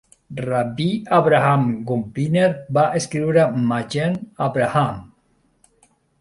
Rabbi Avraham Gombiner va escriure "Magen Avraham".